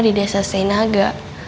di desa senaga